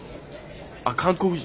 あ韓国人？